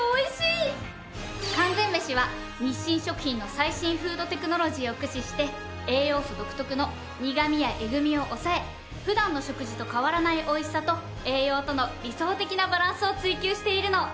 完全メシは日清食品の最新フードテクノロジーを駆使して栄養素独特の苦みやエグみを抑え普段の食事と変わらないおいしさと栄養との理想的なバランスを追求しているの。